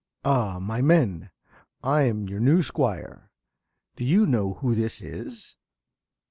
~ Ah, my men! I'm your new Squire. Do you know who this is?